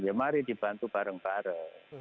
ya mari dibantu bareng bareng